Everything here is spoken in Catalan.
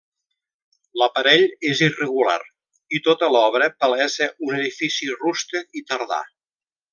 L'aparell és irregular, i tota l'obra palesa un edifici rústec i tardà.